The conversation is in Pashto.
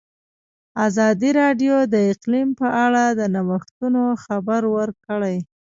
ازادي راډیو د اقلیم په اړه د نوښتونو خبر ورکړی.